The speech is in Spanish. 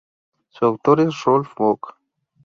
Su autor es Rolf Vogt.